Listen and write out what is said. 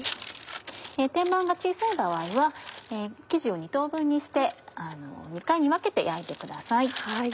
天板が小さい場合は生地を２等分にして２回に分けて焼いてください。